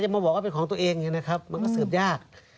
จะมาบอกว่าเป็นของตัวเองมันก็สืบยาก